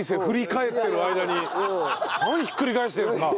何ひっくり返してるんですか！